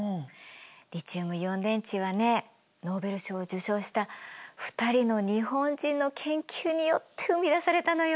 リチウムイオン電池はねノーベル賞を受賞した２人の日本人の研究によって生み出されたのよ。